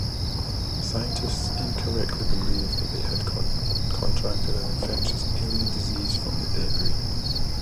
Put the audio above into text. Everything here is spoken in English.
Scientists incorrectly believed that they had contracted an infectious alien disease from the debris.